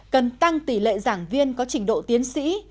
cần tăng tỷ lệ giảng viên có trình độ tiến sĩ